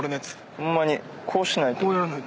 ホンマにこうしないと。